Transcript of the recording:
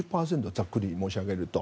ざっくり申し上げると。